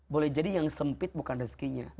boleh jadi yang sempit bukan rezekinya